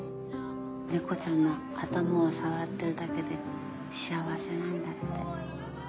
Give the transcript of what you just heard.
猫ちゃんの頭を触ってるだけで幸せなんだって。